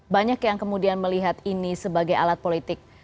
banyak yang kemudian melihat ini sebagai alat politik